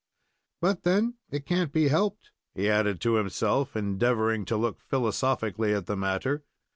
"But, then, it can't be helped," he added to himself, endeavoring to look philosophically at the matter.